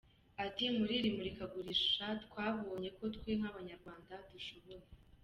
Ati “ Muri iri murikagurisha twabonye ko twe nk’abanyarwanda dushoboye.